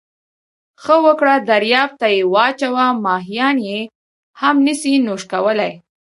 ښه وکړه درياب ته یې واچوه، ماهيان يې هم نسي نوش کولای.